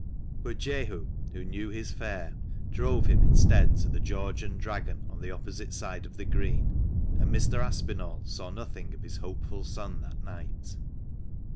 But Jehu, who knew his fare drove him instead to the " George and Dragon " on the opposite side of the Green, and Mr. Aspinall saw nothing of his hopeful son that night.